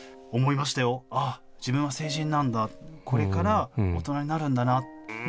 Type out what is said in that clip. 思いましたよ、ああ、自分は成人なんだ、これから大人になるんだなって。